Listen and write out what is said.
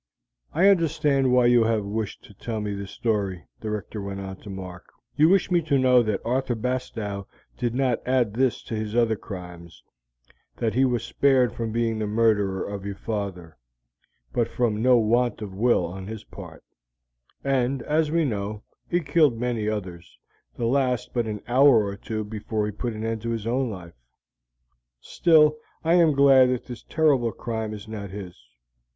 "I understand why you have wished to tell me this story," the Rector went on to Mark. "You wish me to know that Arthur Bastow did not add this to his other crimes; that he was spared from being the murderer of your father, but from no want of will on his part; and, as we know, he killed many others, the last but an hour or two before he put an end to his own life; still I am glad that this terrible crime is not his.